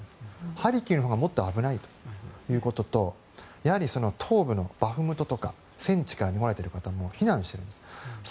ハルキウはもっと危ないということと東部のバフムトとか戦地から来ている人は避難しています。